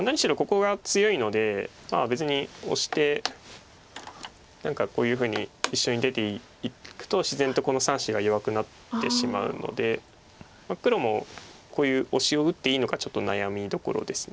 ここが強いので別にオシて何かこういうふうに一緒に出ていくと自然とこの３子が弱くなってしまうので黒もこういうオシを打っていいのかちょっと悩みどころです。